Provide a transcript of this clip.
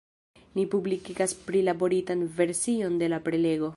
Ni publikigas prilaboritan version de la prelego.